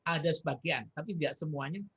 ada sebagian tapi tidak semuanya